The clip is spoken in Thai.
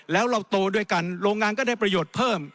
แล้วเราโตด้วยกันโรงงานก็ได้ประโยชน์เพิ่ม